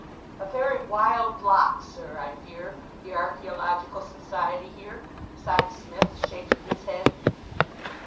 "A very wild lot, sir, I fear, the Archaeological Society here," sighed Psmith, shaking his head.